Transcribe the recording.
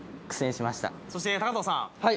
そして藤さん。